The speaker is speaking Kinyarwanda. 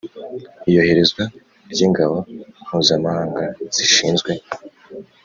iyoherezwa ry'ingabo mpuzamahanga zishinzwe